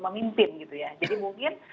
memimpin gitu ya jadi mungkin